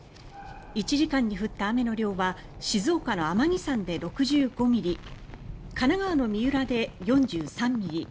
１時間に降った雨の量は静岡の天城山で６５ミリ神奈川の三浦で４３ミリ